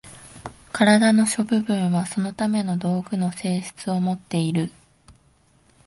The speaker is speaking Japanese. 身体の諸部分はそのための道具の性質をもっている。